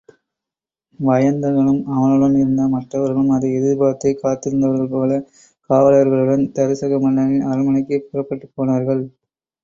வயந்தகனும் அவனுடன் இருந்த மற்றவர்களும் அதை எதிர்பார்த்தே காத்திருந்தவர்கள் போலக் காவலாளர்களுடன் தருசக மன்னனின் அரண்மனைக்குப் புறப்பட்டுப் போனார்கள்.